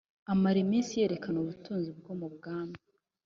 Amara iminsi yerekana ubutunzi bwo mu bwami